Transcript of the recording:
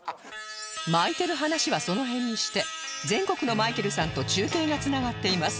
巻いてる話はその辺にして全国のマイケルさんと中継が繋がっています